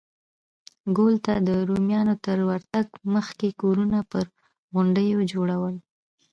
ګول ته د رومیانو تر ورتګ مخکې کورونه پر غونډیو جوړول